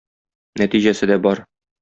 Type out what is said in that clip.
Нәтиҗәсе дә бар.